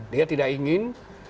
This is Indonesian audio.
dia tidak ingin